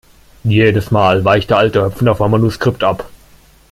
Jedes Mal weicht der alte Höpfner vom Manuskript ab!